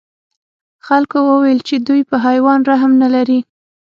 خلکو وویل چې دوی په حیوان رحم نه لري.